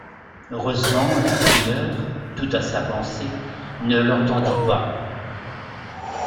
Heureusement la prieure, toute à sa pensée, ne l'entendit pas.